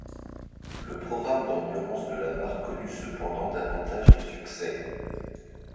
Le programme d'Endurance de la marque connut cependant davantage de succès.